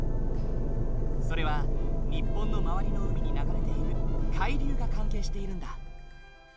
それは日本の周りの海に流れている海流が関係しているんだ。